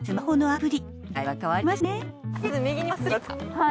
はい。